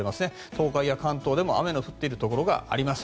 東海や関東でも雨の降っているところがあります。